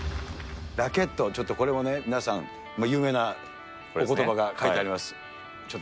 ラケット、ちょっとこれをね、皆さん、有名なおことばが書いてあります。